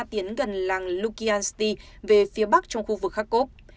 tiến gần làng lukiansti về phía bắc trong khu vực kharkov